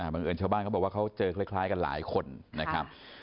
บังเอิญชาวบ้านเขาบอกว่าเขาเจอคล้ายกันหลายคนนะครับ